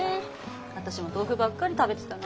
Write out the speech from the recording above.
私も豆腐ばっかり食べてたな。